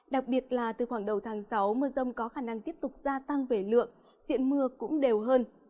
đặc biệt là từ khoảng đầu tháng sáu mưa rông có khả năng tiếp tục gia tăng về lượng diện mưa cũng đều hơn